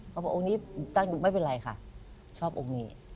บอกองค์นี้ตั้งดูไม่เป็นไรค่ะชอบองค์นี้